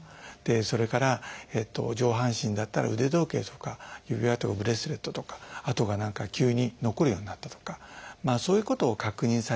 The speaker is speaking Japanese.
それから上半身だったら腕時計とか指輪とかブレスレットとか跡が何か急に残るようになったとかそういうことを確認されて。